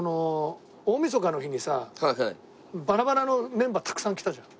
大みそかの日にさ「バラバラ」のメンバーたくさん来たじゃん。